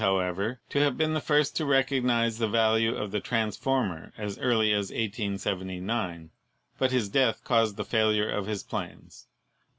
ever, to have been the first to recognise the value of the transformer as early as 1879, but his death caused the failure of his plans.